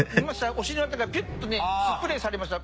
お尻の辺りからピュッとねスプレーされました。